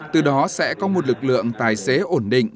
từ đó sẽ có một lực lượng tài xế ổn định